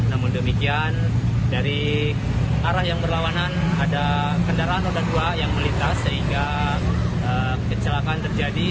namun demikian dari arah yang berlawanan ada kendaraan roda dua yang melintas sehingga kecelakaan terjadi